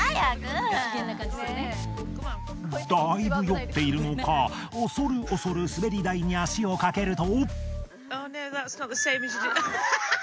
だいぶ酔っているのかおそるおそる滑り台に足をかけると。